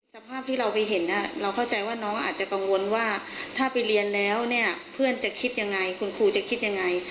สภาพที่เราไปเห็นเราเข้าใจว่าน้องอาจจะกังวลว่าถ้าไปเรียนแล้วเนี่ยเพื่อนจะคิดยังไงคุณครูจะคิดยังไง